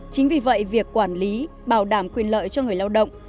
chính vì vậy việc quản lý bảo đảm quyền lợi cho người lao động